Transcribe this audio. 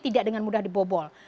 tidak dengan mudah dibobol